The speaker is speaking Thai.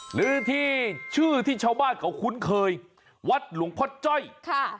หรือที่ชื่อที่ชาวบ้านเขาคุ้นเคยวัดหลวงพ่อจ้อยค่ะ